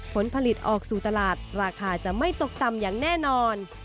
ผลผลิตออกสู่ตลาดราคาจะไม่ตกต่ำอย่างแน่นอน